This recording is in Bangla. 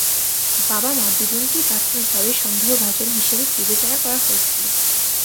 বাবা-মা দুজনকেই প্রাথমিকভাবে সন্দেহভাজন হিসেবে বিবেচনা করা হয়েছিল।